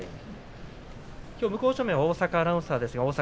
きょう向正面は大坂アナウンサーです。